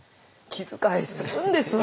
気遣いするんです私